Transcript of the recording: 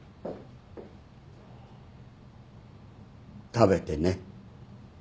食べてね。